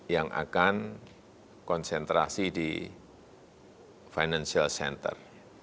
yang akan konsentrasi di financial center